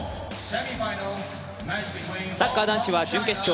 サッカー男子は準決勝。